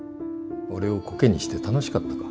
俺をこけにして楽しかったか？